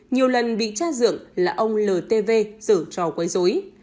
nhiều lần bị tra dưỡng là ông ltv dở trò quấy dối